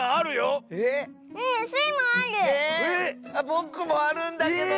ぼくもあるんだけど！